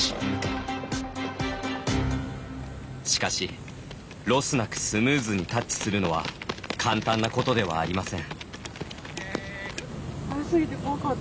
しかし、ロスなくスムーズにタッチするのは簡単なことではありません。